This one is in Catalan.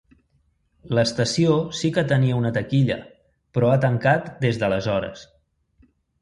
L'estació sí que tenia una taquilla, però ha tancat des d'aleshores.